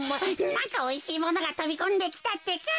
なんかおいしいものがとびこんできたってか。